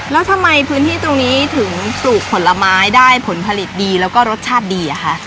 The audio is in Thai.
แล้วทำไมพื้นที่ตรงนี้ถึงปลูกผลไม้ได้ผลผลิตดีแล้วก็รสชาติดีอะคะ